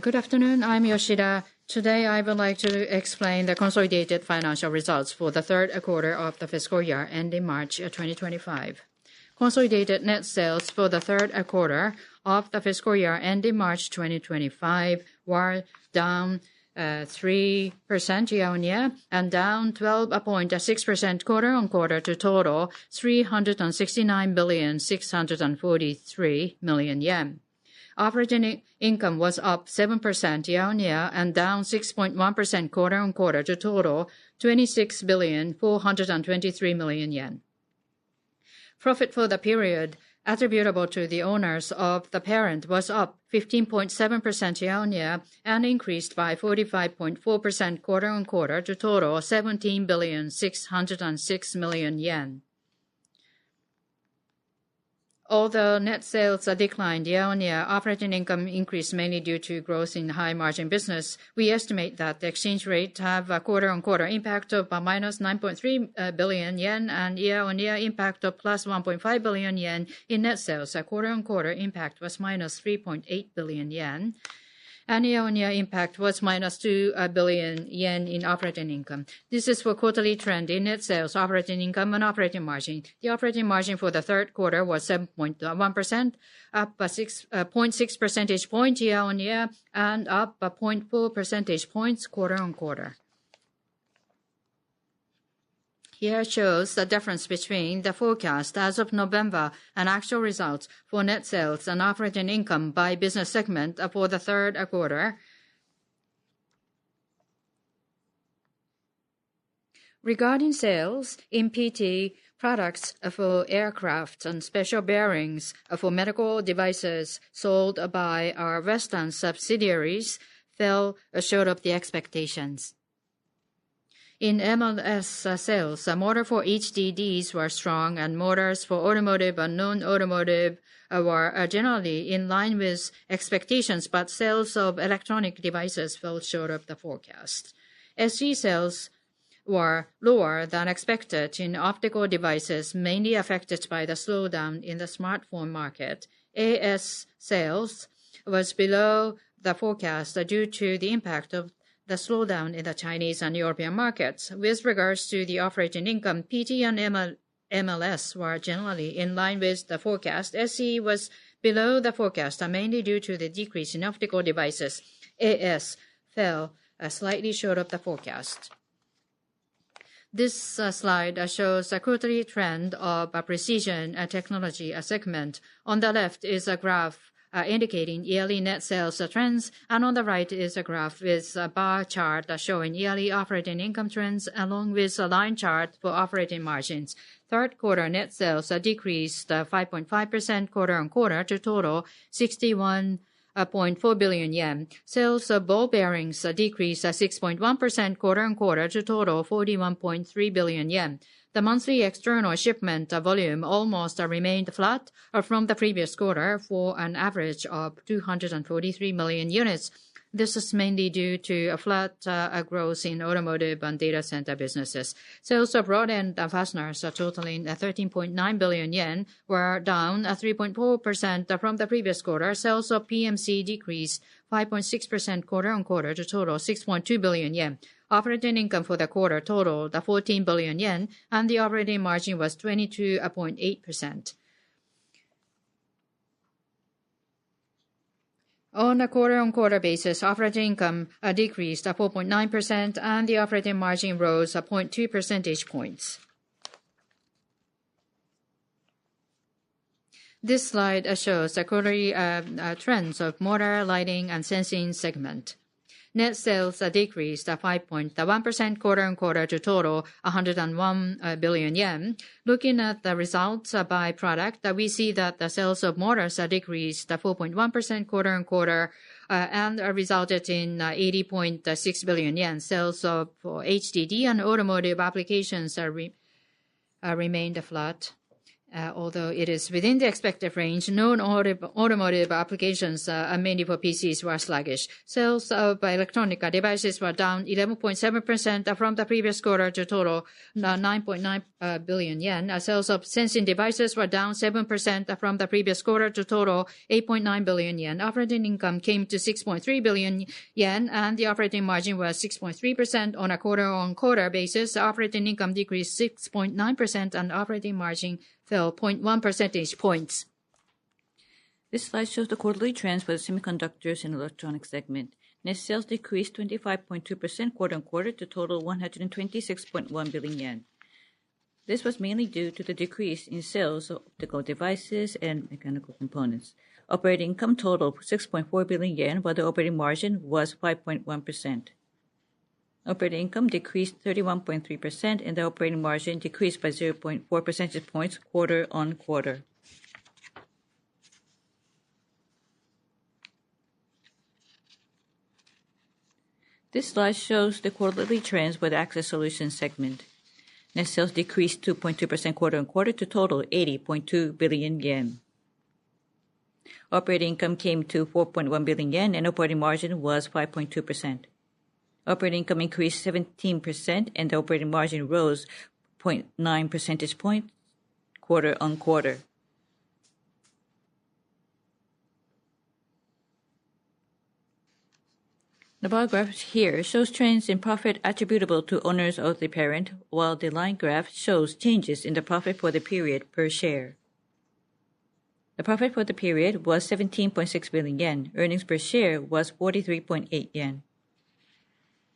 Good afternoon. I'm Yoshida. Today, I would like to explain the consolidated financial results for the third quarter of the fiscal year ending March 2025. Consolidated net sales for the third quarter of the fiscal year ending March 2025 were down 3% year-on-year and down 12.6% quarter-on-quarter to a total of 369,643,000,000 yen. Operating income was up 7% year-on-year and down 6.1% quarter-on-quarter to a total of 26,423,000,000 yen. Profit for the period attributable to the owners of the parent was up 15.7% year-on-year and increased by 45.4% quarter-on-quarter to a total of JPY 17,606,000,000. Although net sales declined year-on-year, operating income increased mainly due to growth in high-margin business. We estimate that the exchange rate has a quarter-on-quarter impact of minus 9.3 billion yen and a year-on-year impact of plus 1.5 billion yen in net sales. Quarter-on-quarter impact was minus 3.8 billion yen, and year-on-year impact was minus 2 billion yen in operating income. This is for quarterly trend in net sales, operating income, and operating margin. The operating margin for the third quarter was 7.1%, up a 6.6 percentage point year-on-year and up a 0.4 percentage points quarter-on-quarter. Here shows the difference between the forecast as of November and actual results for net sales and operating income by business segment for the third quarter. Regarding sales, PT products for aircraft and special bearings for medical devices sold by our Western subsidiaries fell short of the expectations. In MLS sales, the motor for HDDs was strong, and motors for automotive and non-automotive were generally in line with expectations, but sales of electronic devices fell short of the forecast. SE sales were lower than expected in optical devices, mainly affected by the slowdown in the smartphone market. AS sales was below the forecast due to the impact of the slowdown in the Chinese and European markets. With regards to the operating income, PT and MLS were generally in line with the forecast. SE was below the forecast, mainly due to the decrease in optical devices. AS fell slightly short of the forecast. This slide shows a quarterly trend of Precision Technologies segment. On the left is a graph indicating yearly net sales trends, and on the right is a graph with a bar chart showing yearly operating income trends along with a line chart for operating margins. Third quarter net sales decreased 5.5% quarter-on-quarter to a total of 61.4 billion yen. Sales of ball bearings decreased 6.1% quarter-on-quarter to a total of 41.3 billion yen. The monthly external shipment volume almost remained flat from the previous quarter for an average of 243 million units. This is mainly due to flat growth in automotive and data center businesses. Sales of rod-ends and fasteners, totaling 13.9 billion yen, were down 3.4% from the previous quarter. Sales of PMC decreased 5.6% quarter-on-quarter to a total of 6.2 billion yen. Operating income for the quarter totaled 14 billion yen, and the operating margin was 22.8%. On a quarter-on-quarter basis, operating income decreased 4.9%, and the operating margin rose 0.2 percentage points. This slide shows the quarterly trends of motors, lighting, and sensing segment. Net sales decreased 5.1% quarter-on-quarter to a total of 101 billion yen. Looking at the results by product, we see that the sales of motors decreased 4.1% quarter-on-quarter and resulted in 80.6 billion yen. Sales of HDD and automotive applications remained flat, although it is within the expected range. Non-automotive applications, mainly for PCs, were sluggish. Sales of electronic devices were down 11.7% from the previous quarter to a total of 9.9 billion yen. Sales of sensing devices were down 7% from the previous quarter to a total of 8.9 billion yen. Operating income came to 6.3 billion yen, and the operating margin was 6.3% on a quarter-on-quarter basis. Operating income decreased 6.9%, and the operating margin fell 0.1 percentage points. This slide shows the quarterly trends for the semiconductors and electronics segment. Net sales decreased 25.2% quarter-on-quarter to a total of 126.1 billion yen. This was mainly due to the decrease in sales of optical devices and mechanical components. Operating income totaled 6.4 billion yen, but the operating margin was 5.1%. Operating income decreased 31.3%, and the operating margin decreased by 0.4 percentage points quarter-on-quarter. This slide shows the quarterly trends for the access solutions segment. Net sales decreased 2.2% quarter-on-quarter to a total of 80.2 billion yen. Operating income came to 4.1 billion yen, and the operating margin was 5.2%. Operating income increased 17%, and the operating margin rose 0.9 percentage points quarter-on-quarter. The bar graph here shows trends in profit attributable to owners of the parent, while the line graph shows changes in the profit for the period per share. The profit for the period was 17.6 billion yen. Earnings per share was 43.8 yen.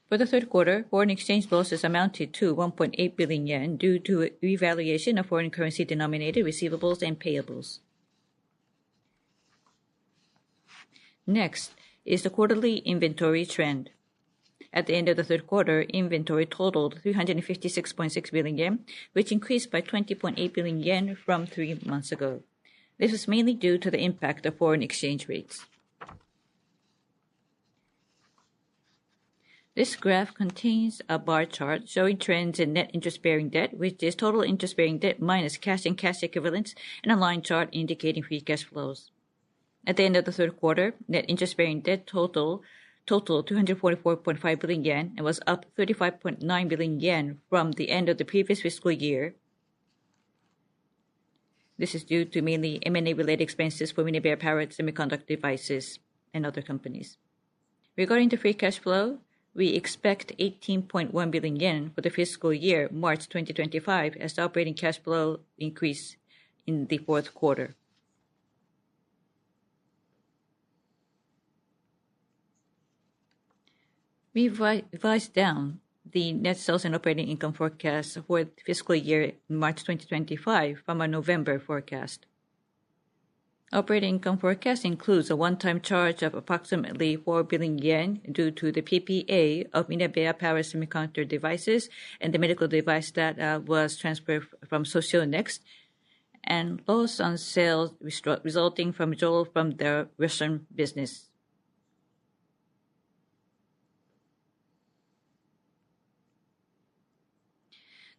For the third quarter, foreign exchange losses amounted to 1.8 billion yen due to revaluation of foreign currency-denominated receivables and payables. Next is the quarterly inventory trend. At the end of the third quarter, inventory totaled 356.6 billion yen, which increased by 20.8 billion yen from three months ago. This was mainly due to the impact of foreign exchange rates. This graph contains a bar chart showing trends in net interest-bearing debt, which is total interest-bearing debt minus cash and cash equivalents, and a line chart indicating free cash flows. At the end of the third quarter, net interest-bearing debt totaled 244.5 billion yen and was up 35.9 billion yen from the end of the previous fiscal year. This is due to mainly M&A-related expenses for Minebea Power Semiconductor Device and other companies. Regarding the free cash flow, we expect 18.1 billion yen for the fiscal year March 2025 as the operating cash flow increased in the fourth quarter. We revise down the net sales and operating income forecast for the fiscal year March 2025 from a November forecast. Operating income forecast includes a one-time charge of approximately 4 billion yen due to the PPA of Minebea Power Semiconductor Device and the medical device that was transferred from Socionext and loss on sales resulting from withdrawal from their Russian business.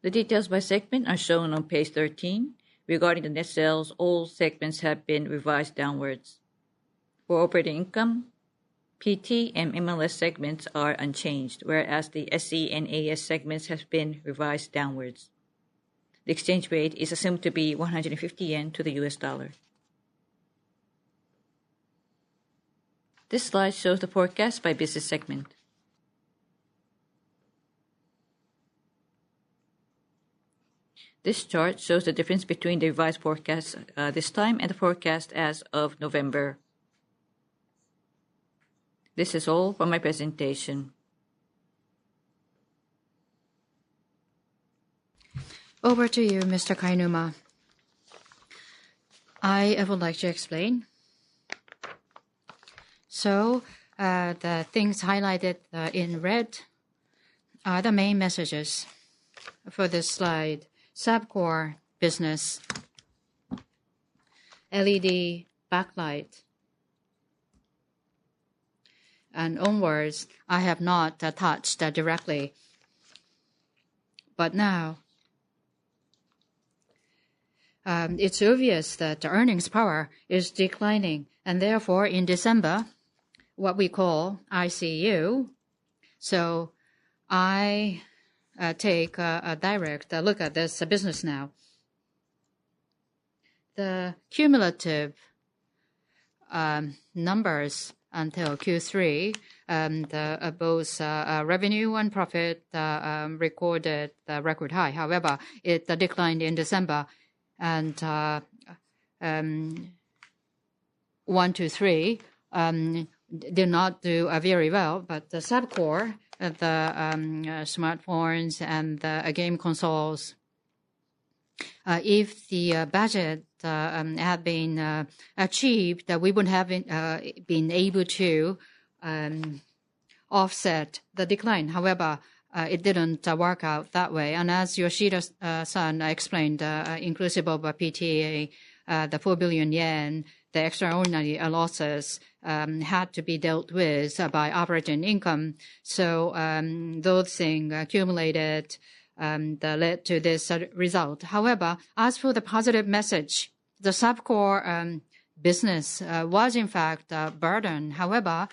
The details by segment are shown on page 13. Regarding the net sales, all segments have been revised downwards. For operating income, PT and MLS segments are unchanged, whereas the SE and AS segments have been revised downwards. The exchange rate is assumed to be 150 yen to the USD. This slide shows the forecast by business segment. This chart shows the difference between the revised forecast this time and the forecast as of November. This is all from my presentation. I would like to explain, so the things highlighted in red are the main messages for this slide: sub-core business, LED backlight and onwards, I have not touched directly, but now, it's obvious that the earnings power is declining, and therefore, in December, what we call ICU, so I take a direct look at this business now. The cumulative numbers until Q3, both revenue and profit, recorded record high. However, it declined in December, and one to three did not do very well, but the sub-core, the smartphones and the game consoles, if the budget had been achieved, we wouldn't have been able to offset the decline. However, it didn't work out that way and as Yoshida-san explained, inclusive of PPA, the 4 billion yen, the extraordinary losses had to be dealt with by operating income, so those things accumulated led to this result. However, as for the positive message, the sub-core business was, in fact, a burden. However,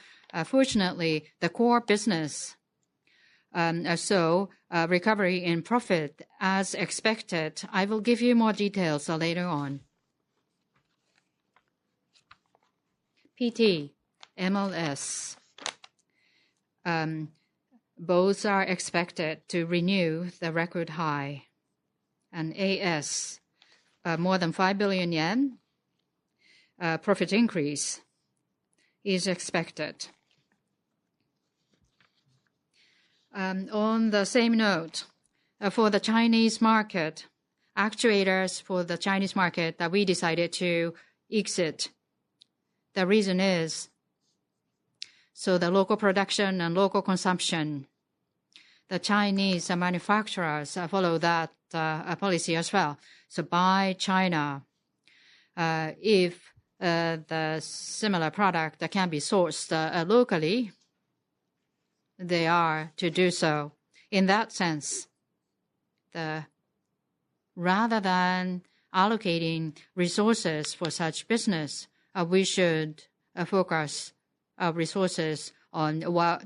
fortunately, the core business saw recovery in profit as expected. I will give you more details later on. PT, MLS, both are expected to renew the record high, and AS, more than 5 billion yen profit increase is expected. On the same note, for the Chinese market, actuators for the Chinese market that we decided to exit, the reason is so the local production and local consumption, the Chinese manufacturers follow that policy as well. So, Buy China, if the similar product can be sourced locally, they are to do so. In that sense, rather than allocating resources for such business, we should focus resources on what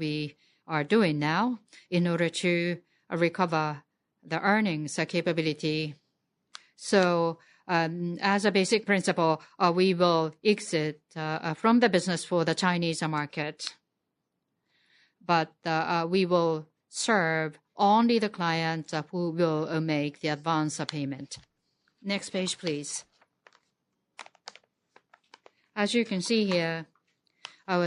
we are doing now in order to recover the earnings capability. So as a basic principle, we will exit from the business for the Chinese market, but we will serve only the clients who will make the advance payment. Next page, please. As you can see here,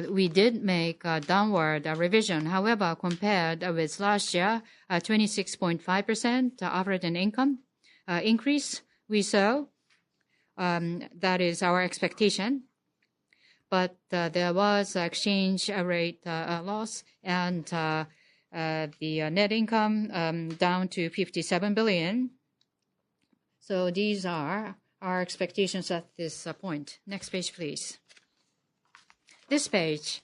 we did make a downward revision. However, compared with last year, 26.5% operating income increase, we saw. That is our expectation. But there was an exchange rate loss and the net income down to 57 billion. So these are our expectations at this point. Next page, please. This page,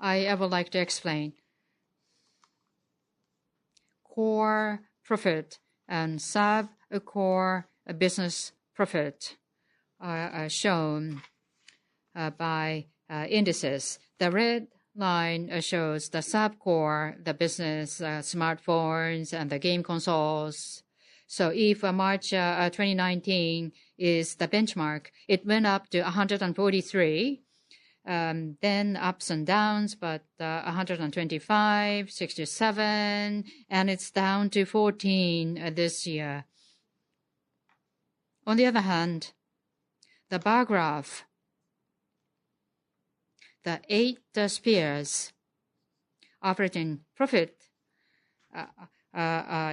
I would like to explain. Core profit and sub-core business profit are shown by indices. The red line shows the sub-core, the business smartphones and the game consoles. So if March 2019 is the benchmark, it went up to 143, then ups and downs, but 125, 67, and it's down to 14 this year. On the other hand, the bar graph, the Eight Spears operating profit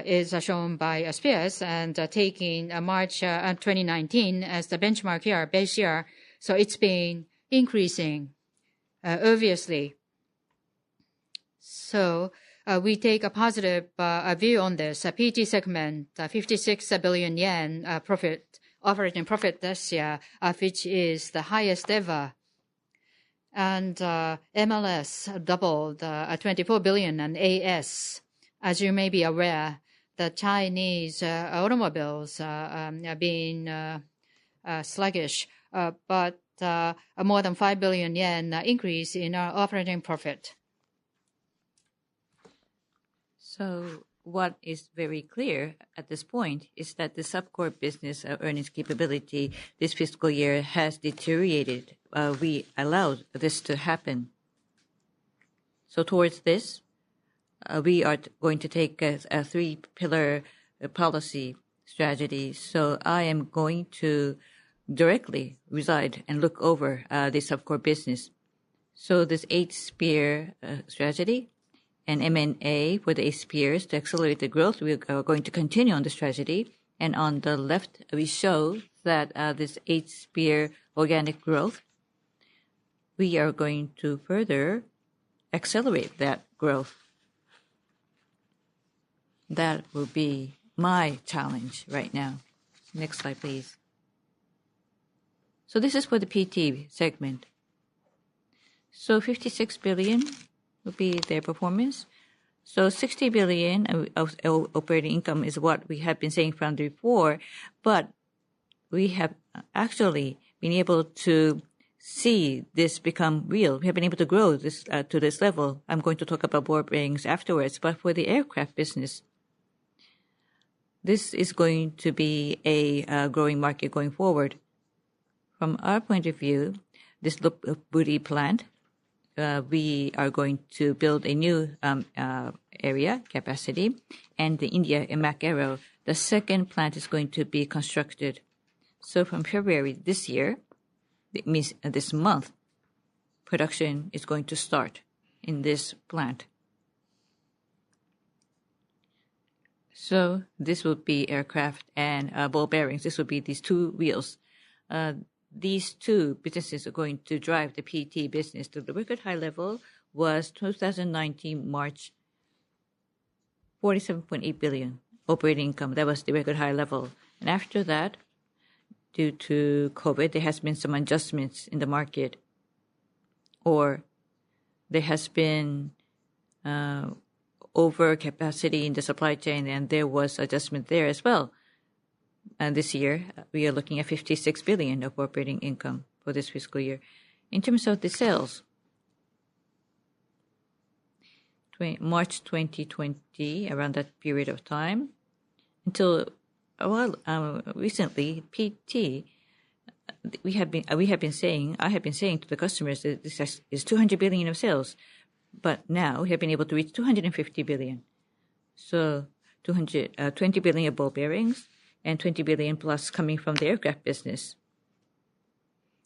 is shown by spheres and taking March 2019 as the benchmark year, base year. So it's been increasing, obviously. So we take a positive view on this. PT segment, 56 billion yen operating profit this year, which is the highest ever. And MLS doubled, 24 billion JPY, and AS. As you may be aware, the Chinese automobiles have been sluggish, but more than 5 billion yen increase in operating profit. So what is very clear at this point is that the sub-core business earnings capability this fiscal year has deteriorated. We allowed this to happen. So towards this, we are going to take a three-pillar policy strategy. So I am going to directly preside and look over the sub-core business. So this Eight Spears strategy and M&A for the Eight Spears to accelerate the growth. We are going to continue on the strategy, and on the left, we show that this Eight Spears organic growth, we are going to further accelerate that growth. That will be my challenge right now. Next slide, please, so this is for the PT segment, so 56 billion will be their performance. So 60 billion of operating income is what we have been seeing from before, but we have actually been able to see this become real. We have been able to grow this to this level. I'm going to talk about ball bearings afterwards, but for the aircraft business, this is going to be a growing market going forward. From our point of view, this new plant, we are going to build a new area capacity, and the India and Mach Aero, the second plant is going to be constructed. From February this year, it means this month, production is going to start in this plant. This will be aircraft and ball bearings. This will be these two wheels. These two businesses are going to drive the PT business to the record high level, was 2019, March 47.8 billion operating income. That was the record high level. And after that, due to COVID, there has been some adjustments in the market, or there has been overcapacity in the supply chain, and there was adjustment there as well. And this year, we are looking at 56 billion of operating income for this fiscal year. In terms of the sales, March 2020, around that period of time, until recently, PT, we have been saying, I have been saying to the customers that this is 200 billion of sales, but now we have been able to reach 250 billion. So ¥20 billion of ball bearings and ¥20 billion plus coming from the aircraft business.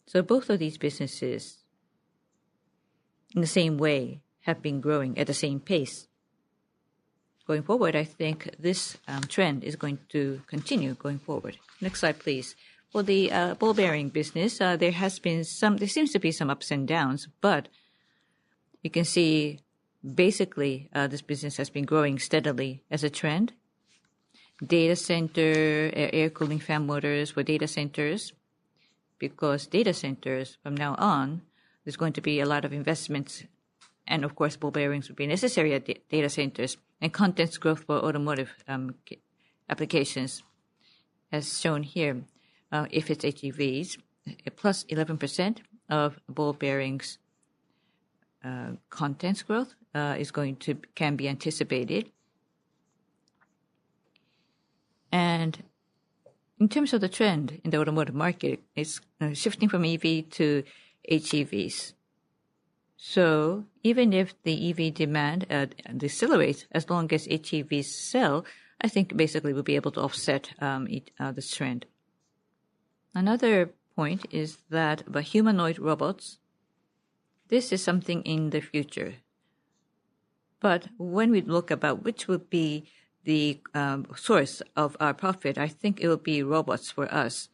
So both of these businesses, in the same way, have been growing at the same pace. Going forward, I think this trend is going to continue going forward. Next slide, please. For the ball bearing business, there has been some, there seems to be some ups and downs, but you can see basically this business has been growing steadily as a trend. Data center, air cooling fan motors for data centers, because data centers from now on, there's going to be a lot of investments, and of course, ball bearings will be necessary at data centers and contents growth for automotive applications as shown here. If it's autos, plus 11% of ball bearings contents growth is going to can be anticipated. In terms of the trend in the automotive market, it's shifting from EV to HEVs. Even if the EV demand decelerates as long as HEVs sell, I think basically we'll be able to offset this trend. Another point is that the humanoid robots. This is something in the future. When we look about which will be the source of our profit, I think it will be robots for us.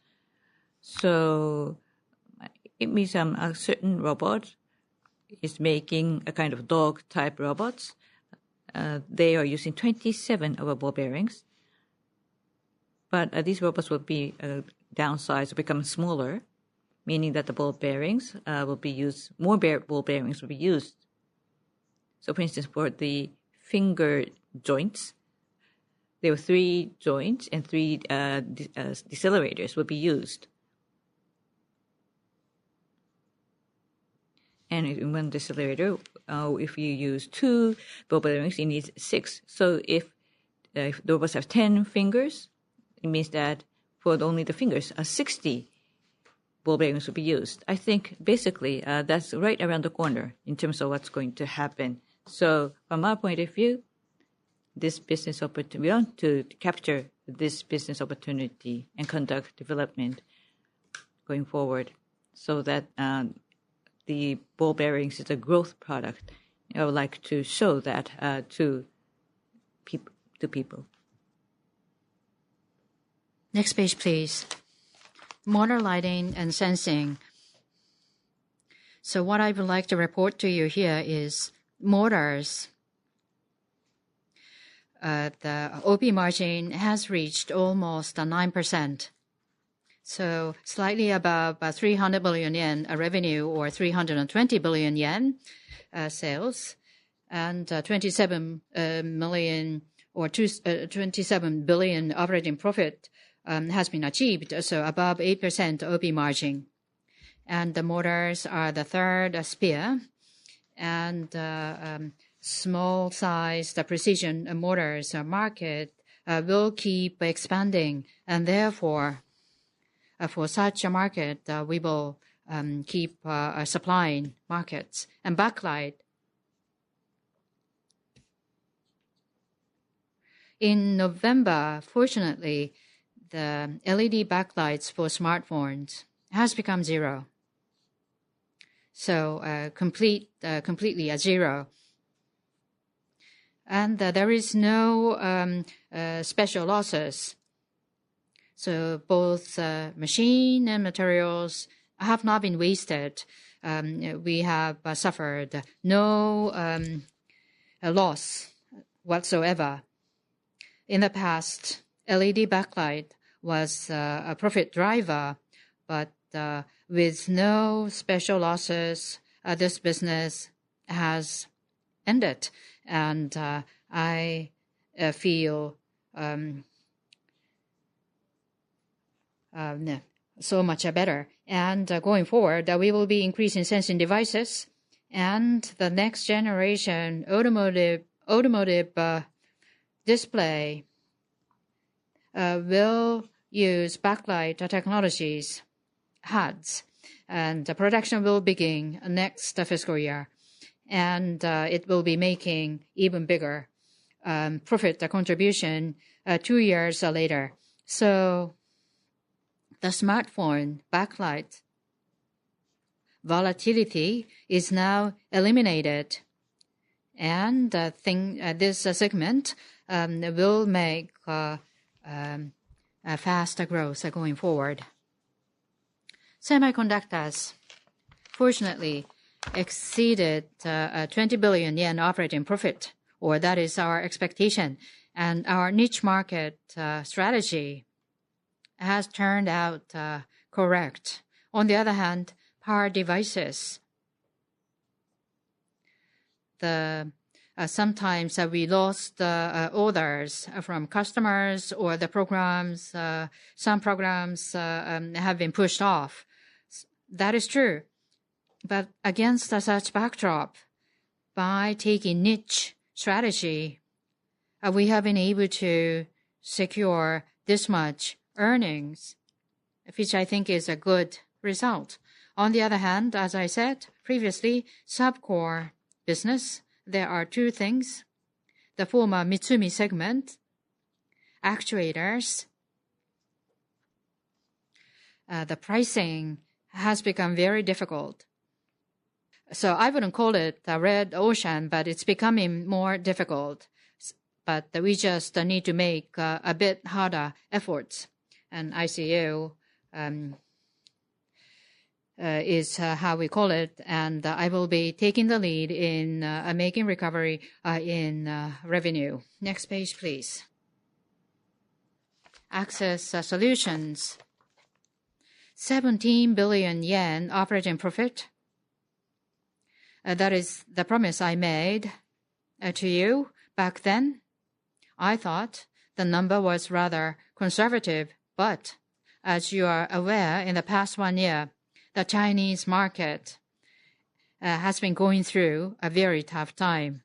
It means a certain robot is making a kind of dog-type robots. They are using 27 of the ball bearings. These robots will be downsized, become smaller, meaning that the ball bearings will be used, more ball bearings will be used. For instance, for the finger joints, there were three joints and three decelerators will be used. One decelerator, if you use two ball bearings, you need six. If robots have 10 fingers, it means that for only the fingers, 60 ball bearings will be used. I think basically that's right around the corner in terms of what's going to happen. From my point of view, this business opportunity to capture this business opportunity and conduct development going forward so that the ball bearings is a growth product, I would like to show that to people. Next page, please. Motor, Lighting & Sensing. What I would like to report to you here is motors. The OP margin has reached almost 9%. Slightly above 300 billion yen revenue or 320 billion yen sales, and 27 million or 27 billion operating profit has been achieved. Above 8% OP margin. The motors are the third spear. Small size, the precision motors market will keep expanding. And therefore, for such a market, we will keep supplying markets. And backlight. In November, fortunately, the LED backlights for smartphones have become zero. So completely zero. And there is no special losses. So both machine and materials have not been wasted. We have suffered no loss whatsoever. In the past, LED backlight was a profit driver, but with no special losses, this business has ended. And I feel so much better. And going forward, we will be increasing sensing devices. And the next generation automotive display will use backlight technologies, HUDs, and production will begin next fiscal year. And it will be making even bigger profit contribution two years later. So the smartphone backlight volatility is now eliminated. And this segment will make a faster growth going forward. Semiconductors, fortunately, exceeded 20 billion yen operating profit, or that is our expectation. And our niche market strategy has turned out correct. On the other hand, power devices. Sometimes we lost orders from customers or the programs. Some programs have been pushed off. That is true. But against such backdrop, by taking niche strategy, we have been able to secure this much earnings, which I think is a good result. On the other hand, as I said previously, sub-core business, there are two things. The former Mitsumi segment, actuators. The pricing has become very difficult. So I wouldn't call it the red ocean, but it's becoming more difficult. But we just need to make a bit harder efforts. And ICU is how we call it. And I will be taking the lead in making recovery in revenue. Next page, please. Access Solutions. 17 billion yen operating profit. That is the promise I made to you back then. I thought the number was rather conservative, but as you are aware, in the past one year, the Chinese market has been going through a very tough time.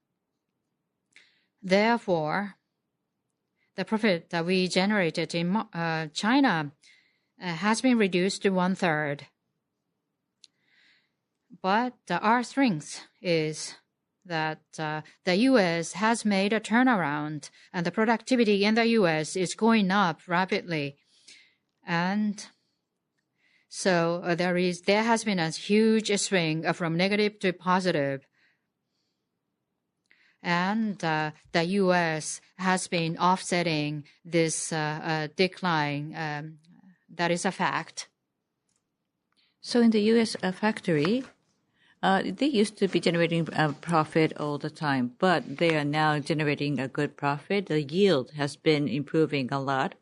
Therefore, the profit that we generated in China has been reduced to one-third. But our strength is that the U.S. has made a turnaround, and the productivity in the U.S. is going up rapidly. And so there has been a huge swing from negative to positive. And the U.S. has been offsetting this decline that is a fact. So in the U.S. factory, they used to be generating profit all the time, but they are now generating a good profit. The yield has been improving a lot.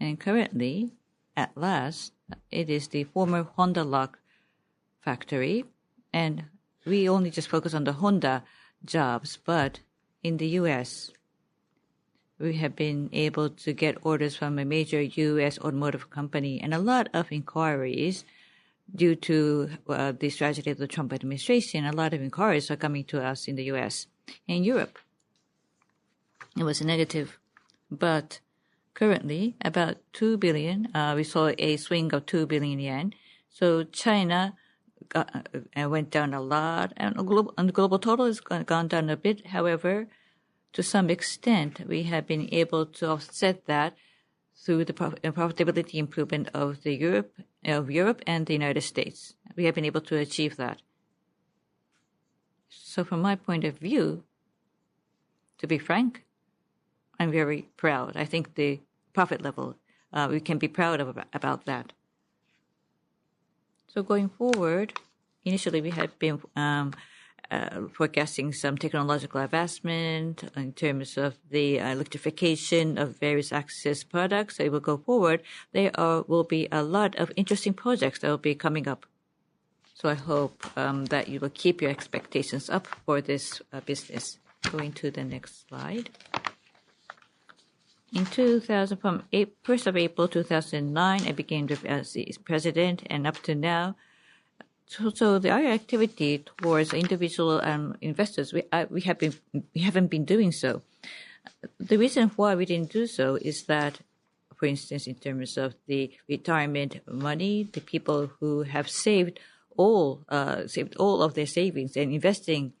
And currently, at last, it is the former Honda Lock factory. We only just focus on the Honda Lock, but in the U.S., we have been able to get orders from a major U.S. automotive company. A lot of inquiries due to the strategy of the Trump administration, a lot of inquiries are coming to us in the U.S. and Europe. It was negative, but currently, about 2 billion, we saw a swing of 2 billion yen. China went down a lot, and the global total has gone down a bit. However, to some extent, we have been able to offset that through the profitability improvement of Europe and the United States. We have been able to achieve that. From my point of view, to be frank, I'm very proud. I think the profit level, we can be proud about that. Going forward, initially, we had been forecasting some technological advancement in terms of the electrification of various access products. It will go forward. There will be a lot of interesting projects that will be coming up. I hope that you will keep your expectations up for this business. Going to the next slide. In 2009, from 1st of April 2009, I began as the president and up to now. The other activity towards individual investors, we haven't been doing so. The reason why we didn't do so is that, for instance, in terms of the retirement money, the people who have saved all of their savings and investing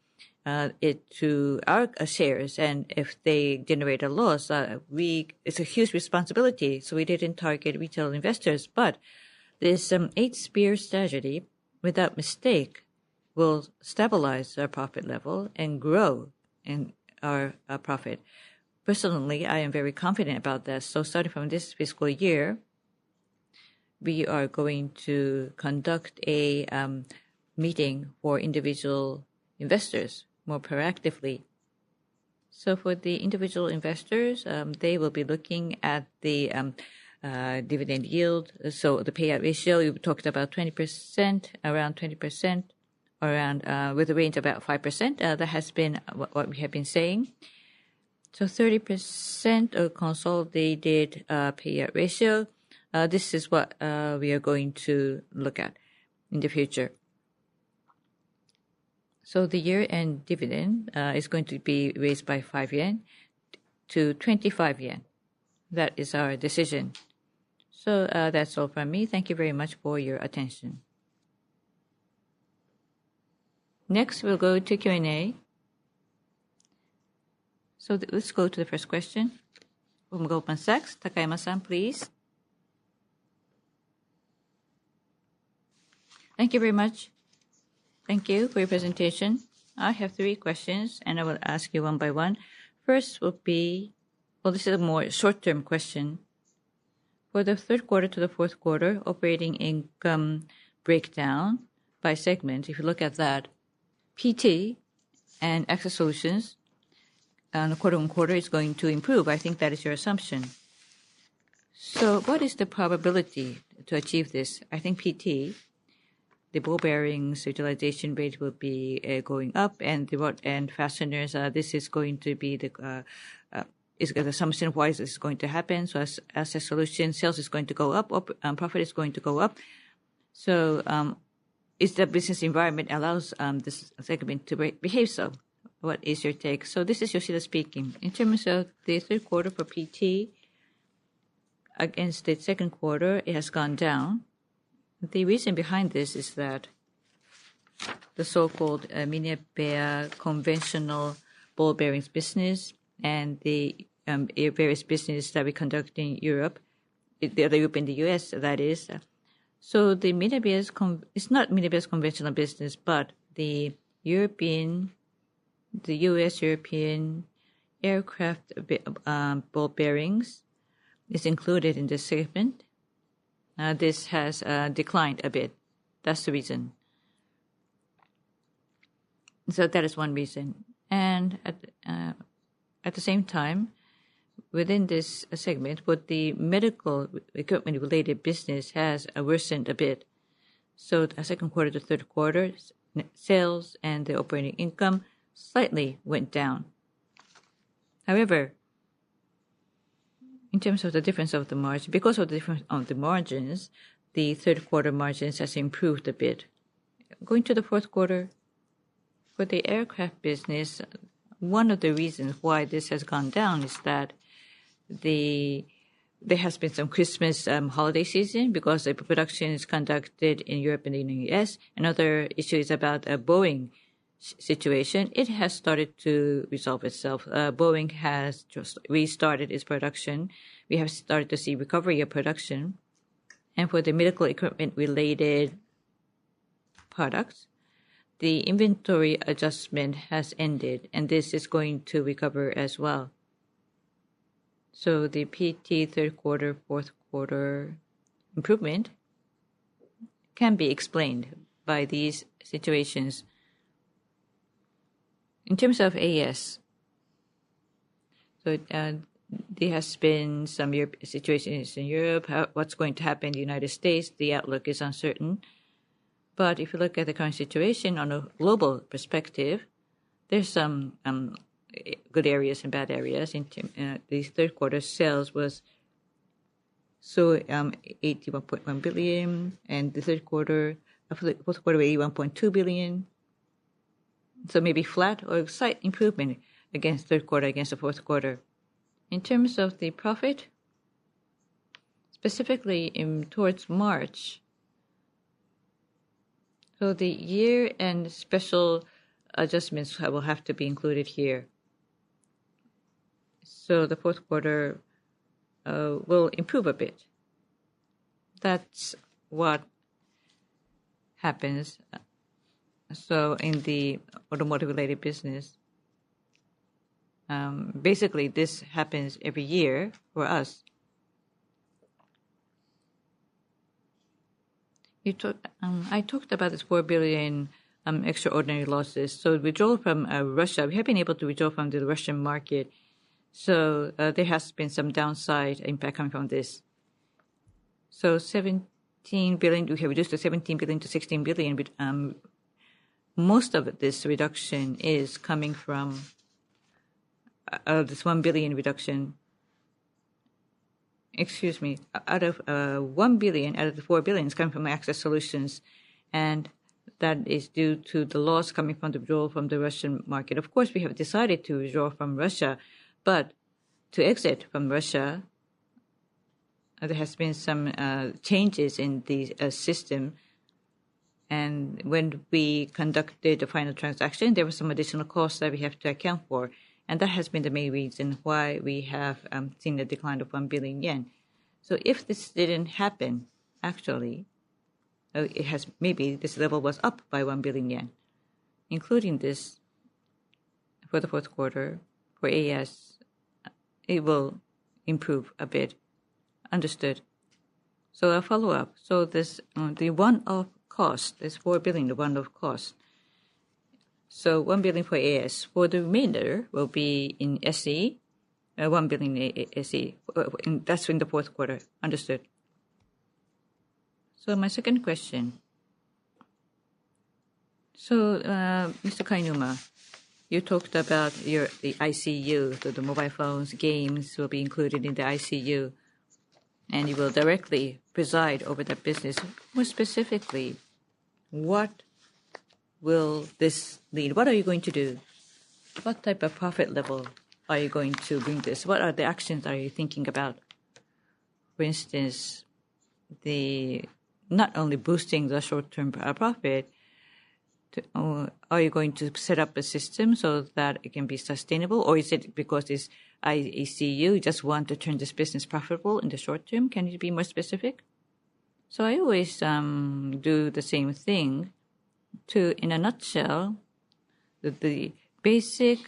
it to our shares, and if they generate a loss, it's a huge responsibility. We didn't target retail investors, but this Eight Spears strategy, without mistake, will stabilize our profit level and grow in our profit. Personally, I am very confident about this. So starting from this fiscal year, we are going to conduct a meeting for individual investors more proactively. So for the individual investors, they will be looking at the dividend yield. So the payout ratio, we've talked about 20%, around 20%, with a range of about 5%. That has been what we have been saying. So 30% of consolidated payout ratio. This is what we are going to look at in the future. So the year-end dividend is going to be raised by 5 yen to 25 yen. That is our decision. So that's all from me. Thank you very much for your attention. Next, we'll go to Q&A. So let's go to the first question. Goldman Sachs, Takayama-san, please. Thank you very much. Thank you for your presentation. I have three questions, and I will ask you one by one. First will be, well, this is a more short-term question. For the third quarter to the fourth quarter, operating income breakdown by segment, if you look at that, PT and Access Solutions, quarter on quarter, is going to improve. I think that is your assumption. So what is the probability to achieve this? I think PT, the ball bearings utilization rate will be going up, and fasteners, this is going to be the assumption-wise is going to happen. So Access Solutions, sales is going to go up, profit is going to go up. So is the business environment allows this segment to behave so? What is your take? So this is Yoshida speaking. In terms of the third quarter for PT, against the second quarter, it has gone down. The reason behind this is that the so-called Minebea's conventional ball bearings business and the various businesses that we conduct in Europe, the other U.S., that is, the Minebea's. It's not Minebea's conventional business, but the U.S. European aircraft ball bearings is included in this segment. This has declined a bit. That's the reason, so that is one reason, and at the same time, within this segment, the medical equipment-related business has worsened a bit, so the second quarter to third quarter, sales and the operating income slightly went down. However, in terms of the difference of the margin, because of the difference of the margins, the third quarter margins has improved a bit. Going to the fourth quarter, for the aircraft business, one of the reasons why this has gone down is that there has been some Christmas holiday season because the production is conducted in Europe and in the U.S. Another issue is about Boeing's situation. It has started to resolve itself. Boeing has just restarted its production. We have started to see recovery of production. And for the medical equipment-related products, the inventory adjustment has ended, and this is going to recover as well. So the PT third quarter, fourth quarter improvement can be explained by these situations. In terms of AS, so there has been some situations in Europe. What's going to happen in the United States? The outlook is uncertain. But if you look at the current situation on a global perspective, there's some good areas and bad areas. The third quarter sales was 81.1 billion, and the third quarter, fourth quarter, 81.2 billion. So maybe flat or slight improvement against third quarter, against the fourth quarter. In terms of the profit, specifically towards March, so the year-end special adjustments will have to be included here. So the fourth quarter will improve a bit. That's what happens. So in the automotive-related business, basically, this happens every year for us. I talked about this four billion extraordinary losses. So withdrawal from Russia, we have been able to withdraw from the Russian market. So there has been some downside impact coming from this. So 17 billion, we have reduced to 17 billion to 16 billion. Most of this reduction is coming from this one billion reduction. Excuse me. Out of one billion, out of the four billion, is coming from Access Solutions. And that is due to the loss coming from the withdrawal from the Russian market. Of course, we have decided to withdraw from Russia, but to exit from Russia, there has been some changes in the system. And when we conducted the final transaction, there were some additional costs that we have to account for. And that has been the main reason why we have seen a decline of 1 billion yen. So if this didn't happen, actually, maybe this level was up by 1 billion yen, including this for the fourth quarter for AS. It will improve a bit. Understood. So I'll follow up. So the one-off cost, this 4 billion, the one-off cost. So 1 billion for AS. For the remainder, will be in SE, 1 billion in SE. That's in the fourth quarter. Understood. So my second question. So Mr. Kainuma, you talked about the ICU, so the mobile phones, games will be included in the ICU, and you will directly preside over that business. More specifically, what will this lead? What are you going to do? What type of profit level are you going to bring this? What are the actions are you thinking about? For instance, not only boosting the short-term profit, are you going to set up a system so that it can be sustainable? Or is it because this ICU, you just want to turn this business profitable in the short term? Can you be more specific? So I always do the same thing. In a nutshell, the basic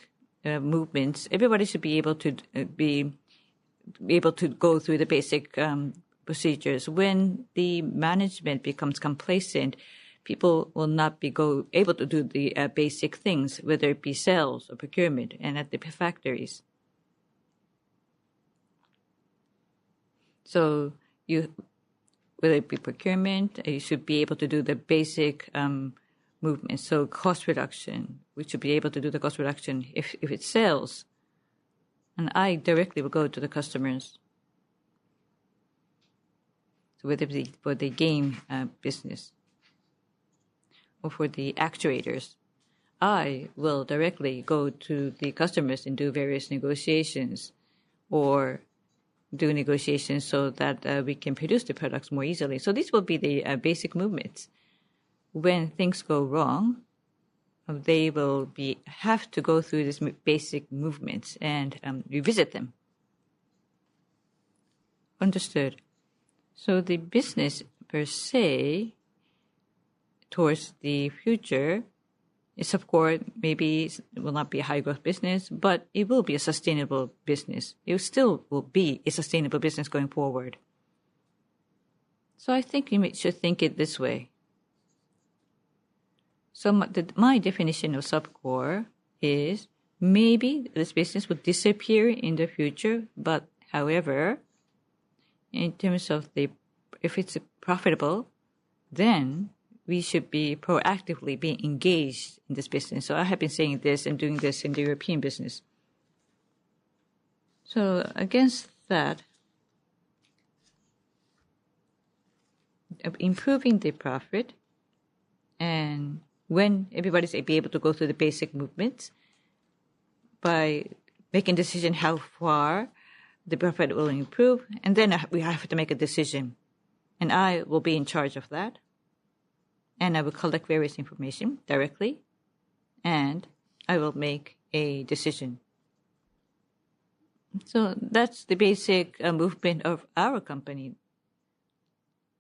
movements, everybody should be able to go through the basic procedures. When the management becomes complacent, people will not be able to do the basic things, whether it be sales or procurement and at the factories. So whether it be procurement, you should be able to do the basic movements. So cost reduction, we should be able to do the cost reduction if it sells, and I directly will go to the customers. So whether it be for the game business or for the actuators, I will directly go to the customers and do various negotiations or do negotiations so that we can produce the products more easily. So these will be the basic movements. When things go wrong, they will have to go through these basic movements and revisit them. Understood. So the business per se, towards the future, is sub-core, maybe will not be a high-growth business, but it will be a sustainable business. It still will be a sustainable business going forward. So I think you should think it this way. So my definition of sub-core is maybe this business will disappear in the future, but however, in terms of if it's profitable, then we should be proactively being engaged in this business. So I have been saying this and doing this in the European business. So against that, improving the profit and when everybody's able to go through the basic movements by making a decision how far the profit will improve, and then we have to make a decision. And I will be in charge of that. And I will collect various information directly, and I will make a decision. So that's the basic movement of our company.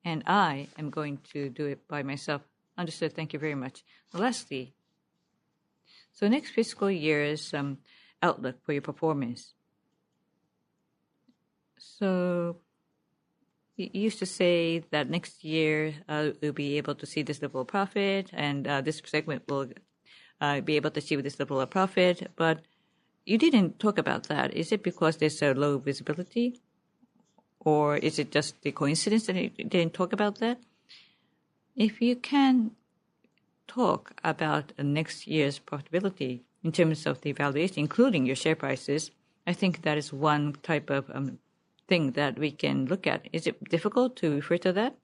And I am going to do it by myself. Understood. Thank you very much. Lastly, so next fiscal year's outlook for your performance. So you used to say that next year, we'll be able to see this level of profit, and this segment will be able to see this level of profit. But you didn't talk about that. Is it because there's a low visibility, or is it just the coincidence that you didn't talk about that? If you can talk about next year's profitability in terms of the valuation, including your share prices, I think that is one type of thing that we can look at. Is it difficult to refer to that?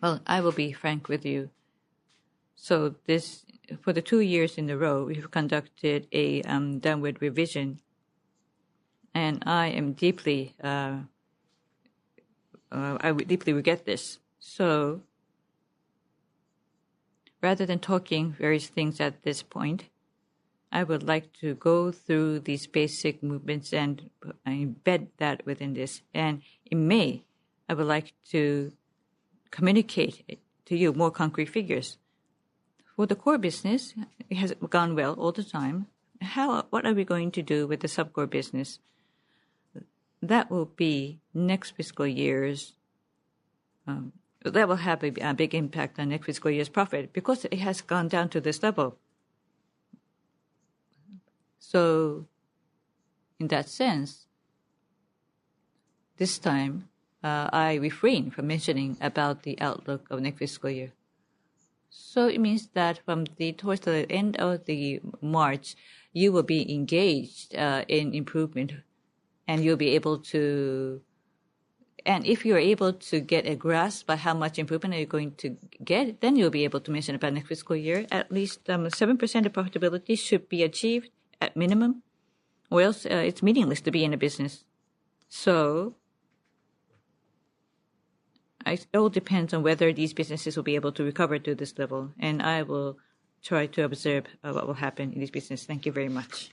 Well, I will be frank with you. So for the two years in a row, we've conducted a downward revision. And I deeply regret this. So rather than talking various things at this point, I would like to go through these basic movements and embed that within this. In May, I would like to communicate to you more concrete figures. For the core business, it has gone well all the time. What are we going to do with the sub-core business? That will be next fiscal years. That will have a big impact on next fiscal year's profit because it has gone down to this level. In that sense, this time, I refrain from mentioning about the outlook of next fiscal year. It means that towards the end of March, you will be engaged in improvement, and you'll be able to, and if you're able to get a grasp of how much improvement you're going to get, then you'll be able to mention about next fiscal year. At least 7% of profitability should be achieved at minimum, or else it's meaningless to be in a business. So it all depends on whether these businesses will be able to recover to this level. And I will try to observe what will happen in this business. Thank you very much.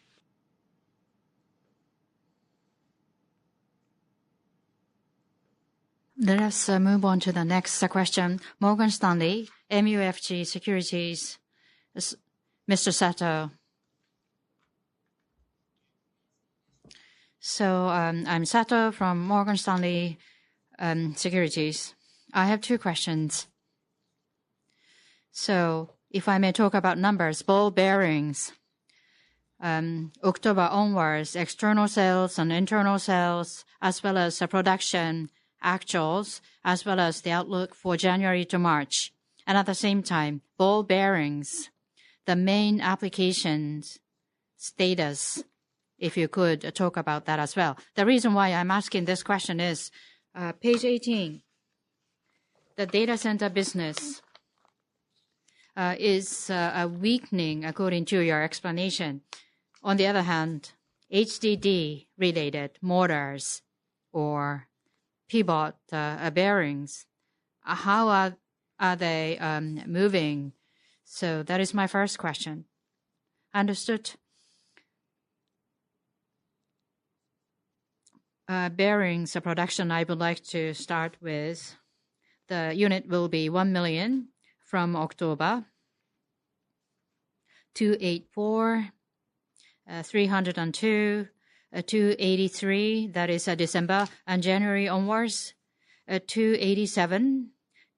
Let us move on to the next question. Morgan Stanley MUFG Securities. Mr. Sato. So I'm Sato from Morgan Stanley MUFG Securities. I have two questions. So if I may talk about numbers, ball bearings, October onwards, external sales and internal sales, as well as production, actuals, as well as the outlook for January to March. And at the same time, ball bearings, the main applications status, if you could talk about that as well. The reason why I'm asking this question is page 18. The data center business is weakening according to your explanation. On the other hand, HDD-related motors or pivot bearings, how are they moving? So that is my first question. Understood. Bearings production, I would like to start with. The unit will be 1 million from October, 284, 302, 283. That is December and January onwards, 287,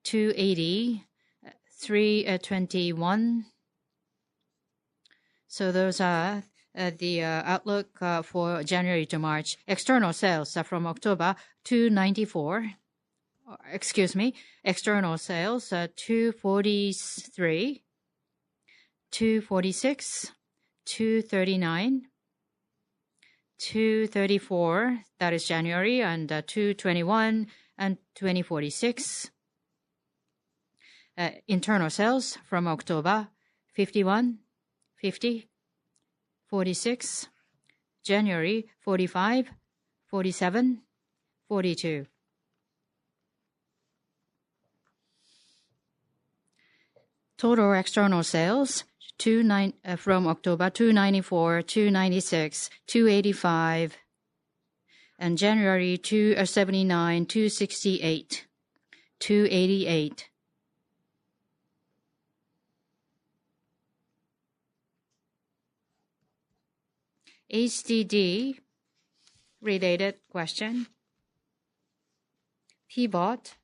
280, 321. So those are the outlook for January to March. External sales from October, 294. Excuse me. External sales, 243, 246, 239, 234. That is January and 221 and 2046. Internal sales from October, 51, 50, 46. January, 45, 47, 42. Total external sales, 29 from October, 294, 296, 285. And January, 279, 268, 288. HDD-related question. Pivot,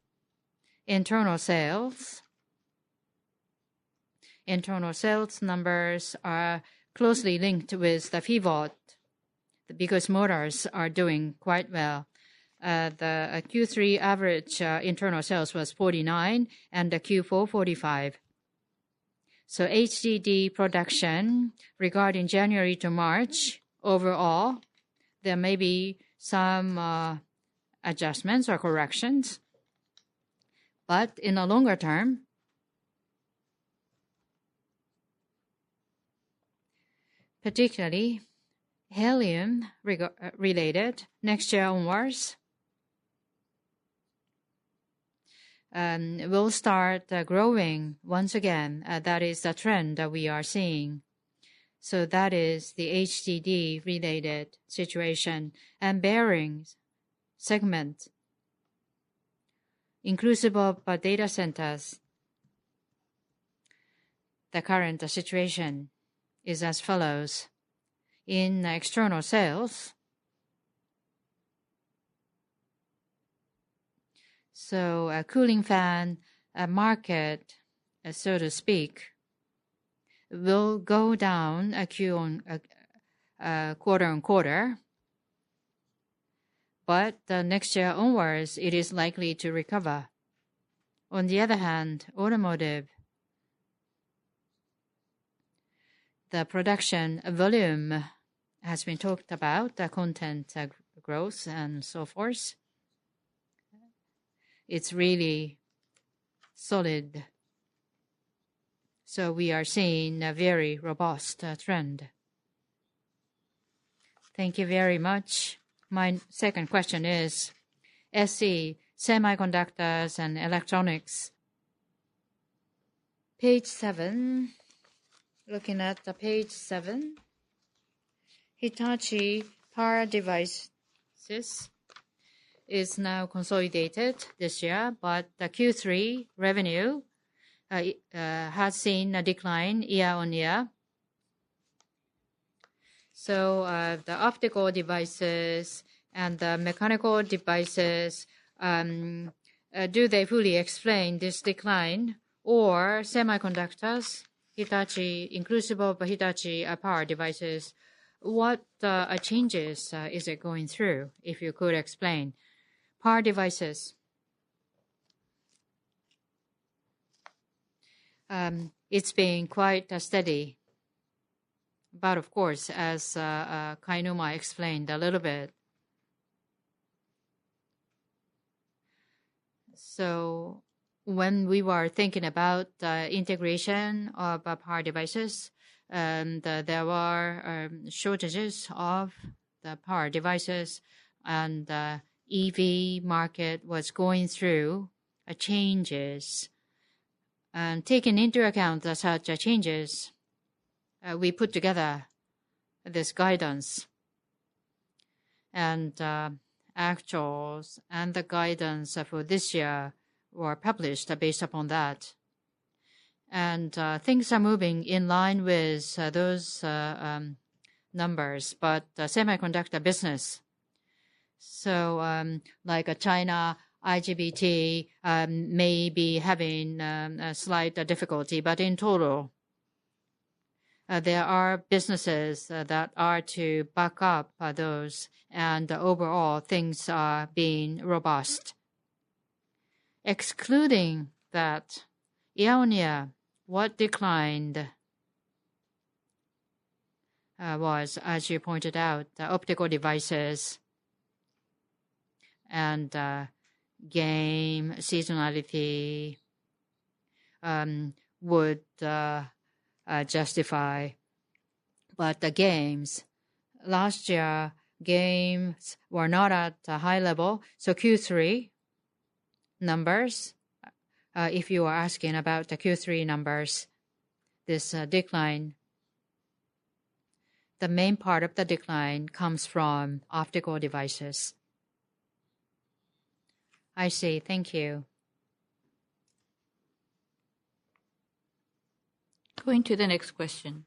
internal sales. Internal sales numbers are closely linked with the pivot. The biggest motors are doing quite well. The Q3 average internal sales was 49, and the Q4, 45. So HDD production regarding January to March, overall, there may be some adjustments or corrections. But in the longer term, particularly helium-related, next year onwards, will start growing once again. That is the trend that we are seeing. So that is the HDD-related situation. And bearings segment, inclusive of data centers, the current situation is as follows in external sales. So a cooling fan market, so to speak, will go down quarter on quarter. But next year onwards, it is likely to recover. On the other hand, automotive, the production volume has been talked about, the content growth and so forth. It's really solid. So we are seeing a very robust trend. Thank you very much. My second question is SE, semiconductors and electronics. Page 7, looking at page 7, Hitachi Power Semiconductor Device is now consolidated this year, but the Q3 revenue has seen a decline year on year. So the optical devices and the mechanical devices, do they fully explain this decline? Or semiconductors, Hitachi inclusive of Hitachi Power Semiconductor Device, what changes is it going through, if you could explain? Power devices. It's been quite steady. But of course, as Kainuma explained a little bit, so when we were thinking about the integration of power devices, and there were shortages of the power devices, and the EV market was going through changes, and taking into account such changes, we put together this guidance. And actuals and the guidance for this year were published based upon that, and things are moving in line with those numbers, but the semiconductor business, so like China, IGBT may be having a slight difficulty. But in total, there are businesses that are to back up those, and overall, things are being robust. Excluding that, year on year, what declined was, as you pointed out, the optical devices and game seasonality would justify. But the games last year games were not at a high level. So Q3 numbers, if you are asking about the Q3 numbers, this decline, the main part of the decline comes from optical devices. I see. Thank you. Going to the next question.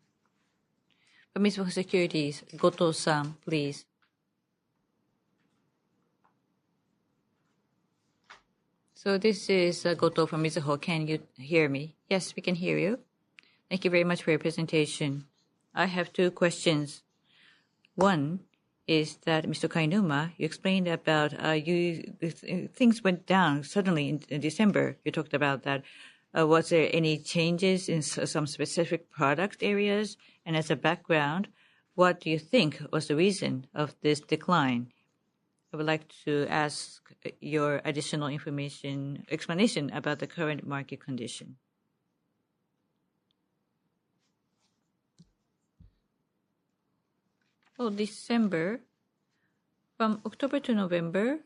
From Mizuho Securities, Goto-san, please. So this is Goto from Mizuho. Can you hear me? Yes, we can hear you. Thank you very much for your presentation. I have two questions. One is that, Mr. Kainuma, you explained about things went down suddenly in December. You talked about that. Was there any changes in some specific product areas? And as a background, what do you think was the reason of this decline? I would like to ask your additional information, explanation about the current market condition. Well, December, from October to November,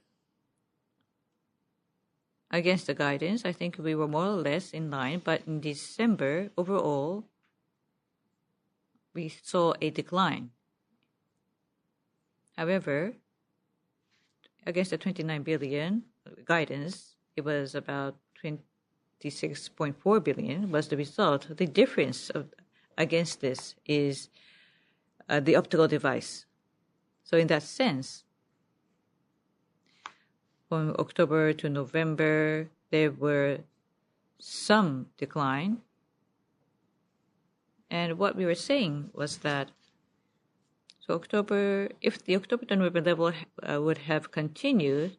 against the guidance, I think we were more or less in line. But in December, overall, we saw a decline. However, against the 29 billion JPY guidance, it was about 26.4 billion JPY was the result. The difference against this is the optical device. So in that sense, from October to November, there were some decline. And what we were saying was that if the October to November level would have continued,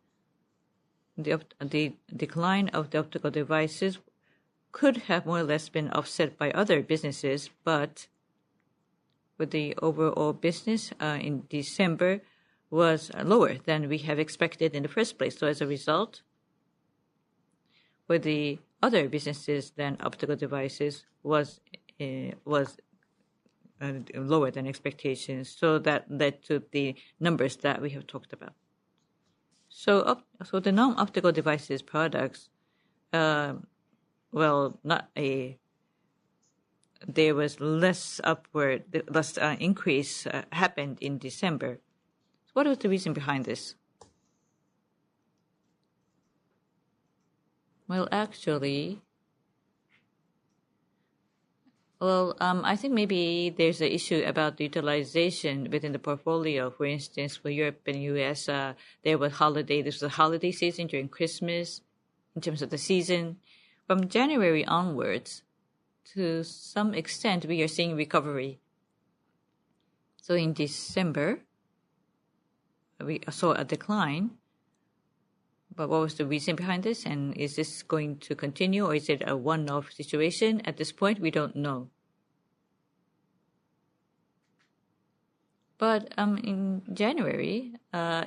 the decline of the optical devices could have more or less been offset by other businesses. But the overall business in December was lower than we have expected in the first place. So as a result, with the other businesses, then optical devices was lower than expectations. So that led to the numbers that we have talked about. So the non-optical devices products, well, there was less increase happened in December. What was the reason behind this? Well, actually, I think maybe there's an issue about the utilization within the portfolio. For instance, for Europe and U.S., there was holiday. This was a holiday season during Christmas in terms of the season. From January onwards, to some extent, we are seeing recovery, so in December, we saw a decline, but what was the reason behind this and is this going to continue, or is it a one-off situation? At this point, we don't know, but in January,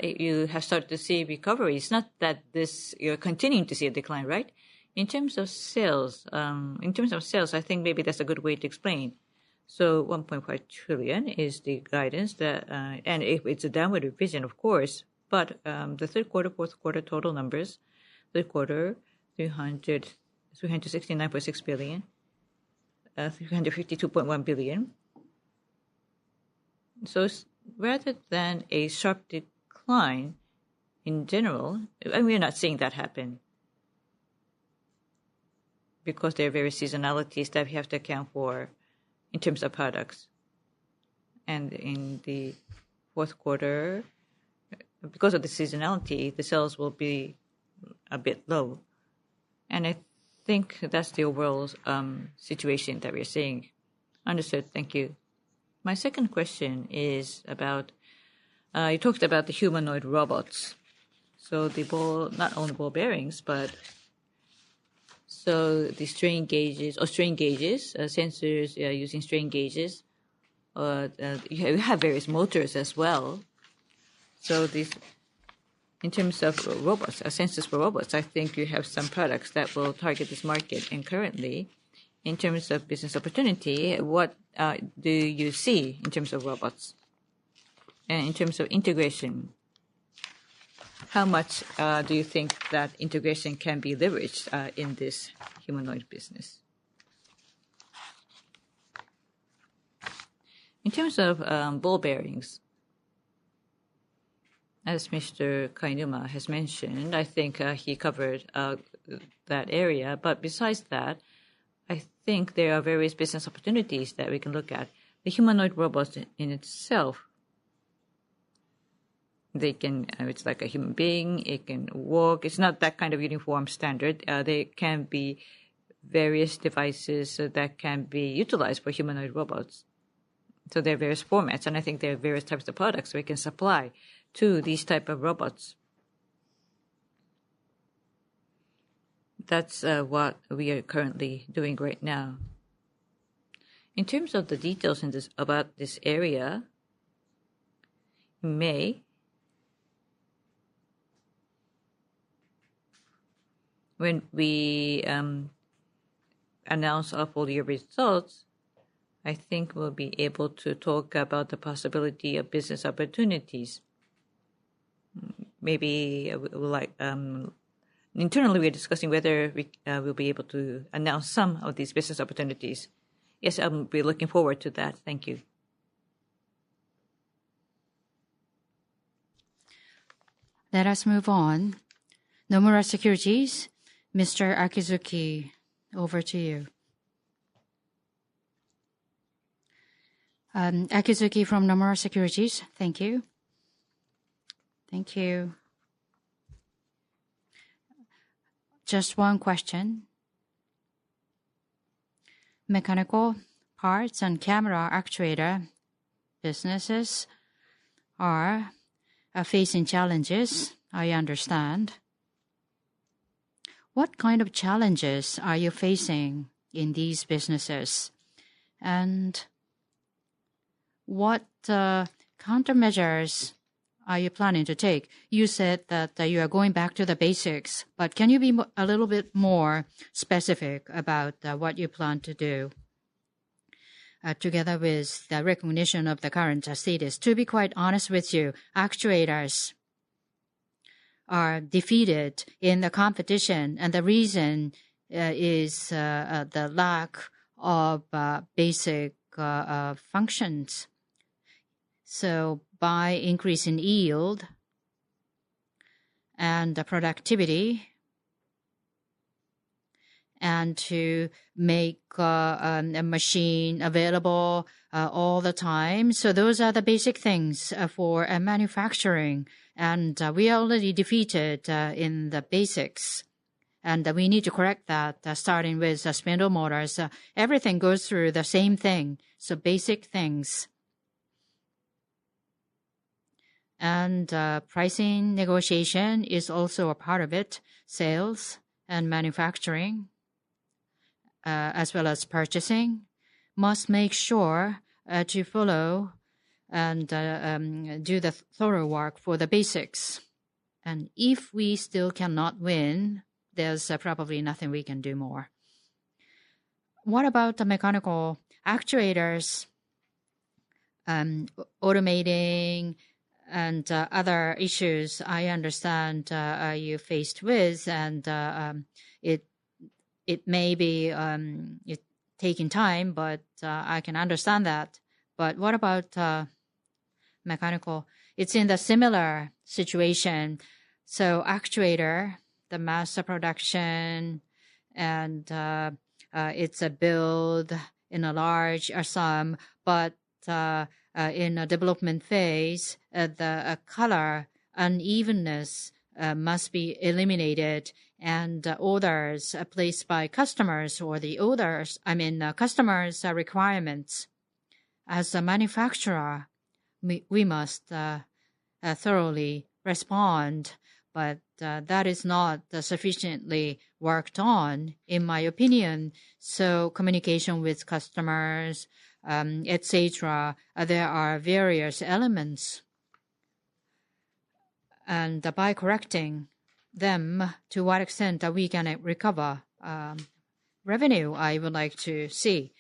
you have started to see recovery. It's not that you're continuing to see a decline, right? In terms of sales, in terms of sales, I think maybe that's a good way to explain, so 1.4 trillion is the guidance, and if it's a downward revision, of course, but the third quarter, fourth quarter total numbers, third quarter, 369.6 billion, 352.1 billion. So rather than a sharp decline in general, and we're not seeing that happen because there are various seasonalities that we have to account for in terms of products. And in the fourth quarter, because of the seasonality, the sales will be a bit low. And I think that's the overall situation that we're seeing. Understood. Thank you. My second question is about you talked about the humanoid robots. So not only ball bearings, but so the strain gauges or strain gauges, sensors using strain gauges. You have various motors as well. So in terms of robots, sensors for robots, I think you have some products that will target this market. And currently, in terms of business opportunity, what do you see in terms of robots? And in terms of integration, how much do you think that integration can be leveraged in this humanoid business? In terms of ball bearings, as Mr. Kainuma has mentioned, I think he covered that area. But besides that, I think there are various business opportunities that we can look at. The humanoid robots in itself, it's like a human being. It can walk. It's not that kind of uniform standard. There can be various devices that can be utilized for humanoid robots. So there are various formats. And I think there are various types of products we can supply to these types of robots. That's what we are currently doing right now. In terms of the details about this area, maybe when we announce full-year results, I think we'll be able to talk about the possibility of business opportunities. Maybe internally, we're discussing whether we'll be able to announce some of these business opportunities. Yes, I'll be looking forward to that. Thank you. Let us move on. Nomura Securities, Mr. Akizuki, over to you. Akizuki from Nomura Securities. Thank you. Thank you. Just one question. Mechanical parts and camera actuator businesses are facing challenges, I understand. What kind of challenges are you facing in these businesses? And what countermeasures are you planning to take? You said that you are going back to the basics. But can you be a little bit more specific about what you plan to do together with the recognition of the current status? To be quite honest with you, actuators are defeated in the competition. And the reason is the lack of basic functions. So by increasing yield and productivity and to make a machine available all the time. So those are the basic things for manufacturing. And we are already defeated in the basics. And we need to correct that, starting with spindle motors. Everything goes through the same thing. Basic things. Pricing negotiation is also a part of it. Sales and manufacturing, as well as purchasing, must make sure to follow and do the thorough work for the basics. If we still cannot win, there's probably nothing we can do more. What about the mechanical actuators? Automation and other issues, I understand, are you faced with. It may be taking time, but I can understand that. What about mechanical? It's in a similar situation. Actuator mass production, and it's built in a large volume. In a development phase, the color unevenness must be eliminated and orders placed by customers or the orders, I mean, customers' requirements. As a manufacturer, we must thoroughly respond. That is not sufficiently worked on, in my opinion. Communication with customers, et cetera. There are various elements. By correcting them, to what extent we can recover revenue, I would like to see.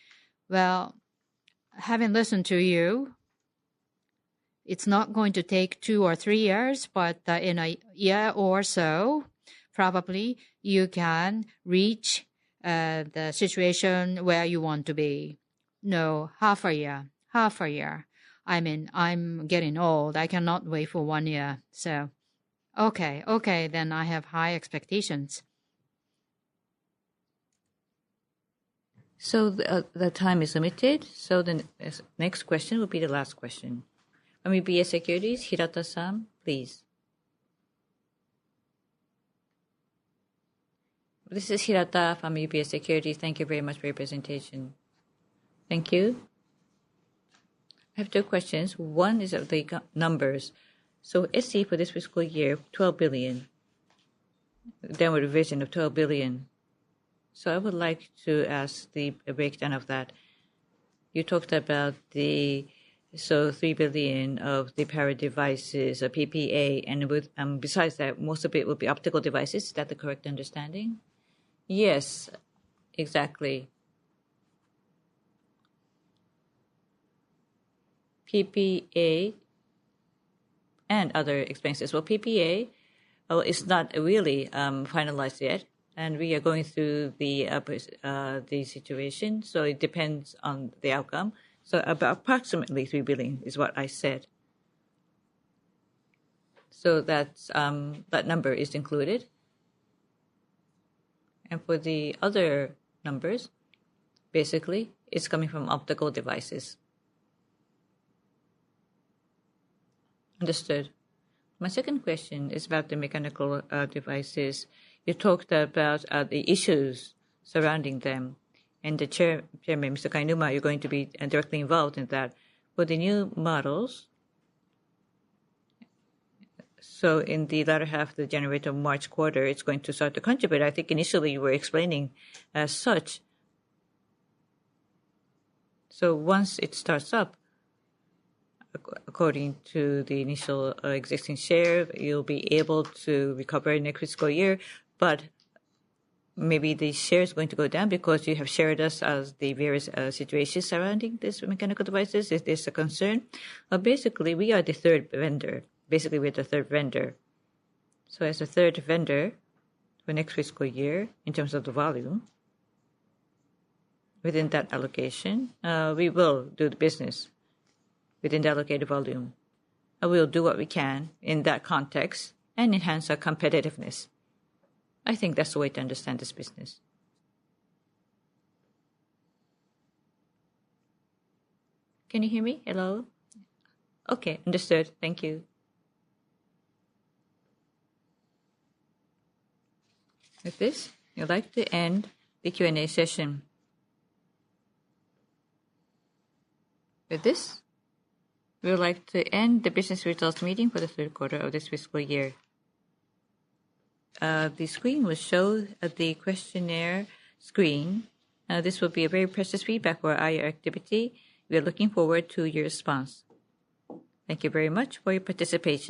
Well, having listened to you, it's not going to take two or three years. But in a year or so, probably, you can reach the situation where you want to be. No, half a year. Half a year. I mean, I'm getting old. I cannot wait for one year. So okay, okay, then I have high expectations. So the time is limited. So the next question will be the last question. UBS Securities, Hirata-san, please. This is Hirata from UBS Securities. Thank you very much for your presentation. Thank you. I have two questions. One is of the numbers. So SE for this fiscal year, 12 billion. Then we're revision of 12 billion. So I would like to ask the breakdown of that. You talked about the, so 3 billion of the power devices, PPA, and besides that, most of it will be optical devices. Is that the correct understanding? Yes, exactly. PPA and other expenses, well, PPA is not really finalized yet, and we are going through the situation, so it depends on the outcome. So about approximately 3 billion is what I said, so that number is included, and for the other numbers, basically, it's coming from optical devices. Understood. My second question is about the mechanical devices. You talked about the issues surrounding them, and Mr. Kainuma, you're going to be directly involved in that. For the new models, so in the latter half of the calendar March quarter, it's going to start to contribute. I think initially, you were explaining as such. Once it starts up, according to the initial existing share, you'll be able to recover in the fiscal year. But maybe the share is going to go down because you have shared us the various situations surrounding these mechanical devices. Is this a concern? But basically, we are the third vendor. Basically, we're the third vendor. So as a third vendor for next fiscal year, in terms of the volume, within that allocation, we will do the business within the allocated volume. We'll do what we can in that context and enhance our competitiveness. I think that's the way to understand this business. Can you hear me? Hello? Okay, understood. Thank you. With this, we'd like to end the Q&A session. With this, we would like to end the business results meeting for the third quarter of this fiscal year. The screen will show the questionnaire screen. This will be very precious feedback for our activity. We are looking forward to your response. Thank you very much for your participation.